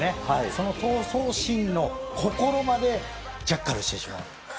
その闘争心の心までジャッカルしてしまう。